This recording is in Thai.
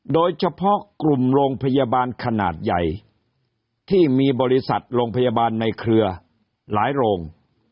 โดยเฉพาะกลุ่มโรงพยาบาลขนาดใหญ่ที่มีบริษัทโรงพยาบาลในเครือหลายโรง